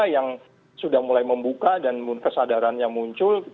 yang sudah mulai membuka dan kesadarannya muncul